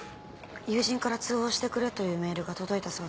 友人から通報してくれというメールが届いたそうです。